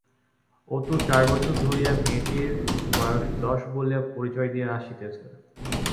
ও তো আজ চার বছর ধরিয়া মেয়েটির বয়স দশ বলিয়া পরিচয় দিয়া আসিতেছে।